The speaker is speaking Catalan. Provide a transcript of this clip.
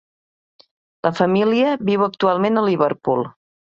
La família viu actualment a Liverpool.